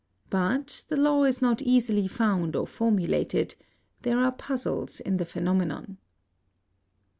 But the law is not easily found or formulated: there are puzzles in the phenomenon.